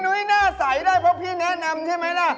นุ้ยหน้าใสได้เพราะพี่แนะนำใช่ไหมล่ะ